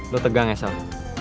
lo tegang ya sal